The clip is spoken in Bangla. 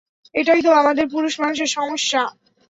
এটাই তো আমাদের পুরুষ মানুষের সমস্যা।